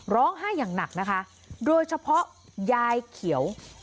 ร้องไห้อย่างหนักนะคะโดยเฉพาะยายเขียว